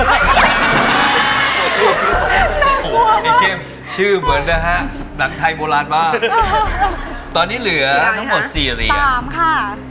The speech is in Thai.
อย่างมากเหมือน้ะครับชวมจากไทยโบราณมาตอนนี้เหลือทั้งหมด๔เหลือตามค่ะ